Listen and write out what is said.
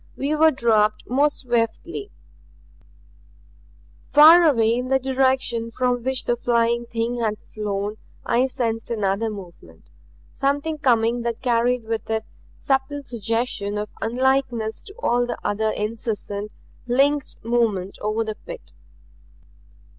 We were dropped more swiftly. Far away in the direction from which the Flying Thing had flown I sensed another movement; something coming that carried with it subtle suggestion of unlikeness to all the other incessant, linked movement over the pit.